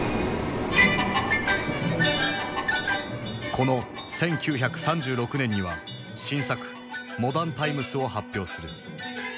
この１９３６年には新作「モダン・タイムス」を発表する。